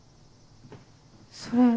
それ。